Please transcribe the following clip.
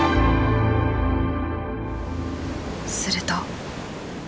すると。